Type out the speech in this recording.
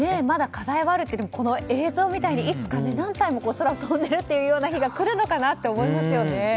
まだ課題はあるっていうけどこの映像みたいにいつか何体も空を飛んでいるというような日が来るのかなと思いますよね。